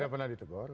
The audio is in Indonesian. tidak pernah ditegor